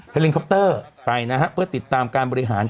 ลิงคอปเตอร์ไปนะฮะเพื่อติดตามการบริหาร